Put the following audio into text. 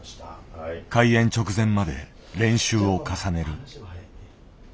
開演直前まで練習を重ねる。